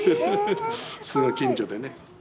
すぐ近所でね。